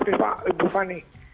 pak ibu fani